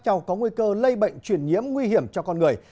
cho có nguy cơ lây bệnh truyền nhiễm nguy hiểm cho con người